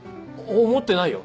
思ってないよ！